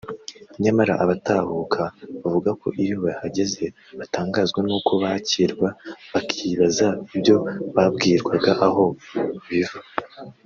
nyamara abatahuka bavuga ko iyo bahageze batangazwa n’uko bakirwa bakibaza ibyo babwirwaga aho biva